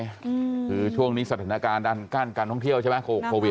คือช่วงนี้สถานการณ์ดันกั้นการท่องเที่ยวใช่ไหมโควิด